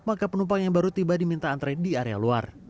maka penumpang yang baru tiba diminta antre di area luar